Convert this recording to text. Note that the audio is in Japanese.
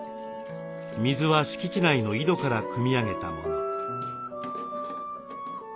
水は敷地内の井戸からくみ上げたもの。